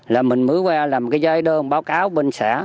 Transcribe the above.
là mình mới qua làm cái giấy đơn báo cáo bên xã